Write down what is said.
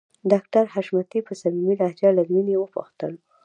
ډاکټر حشمتي په صميمي لهجه له مينې وپوښتل